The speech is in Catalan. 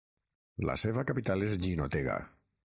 La seva capital és Jinotega.